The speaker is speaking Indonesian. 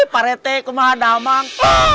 pak rt kemana emang